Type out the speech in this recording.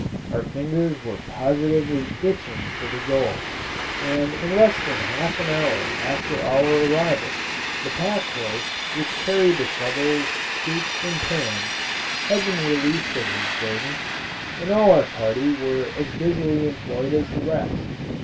Our fingers were positively itching for the gold, and in less than half an hour after our arrival, the pack horse which carried the shovels, scoops, and pans, had been released of his burden, and all our party were as busily employed as the rest.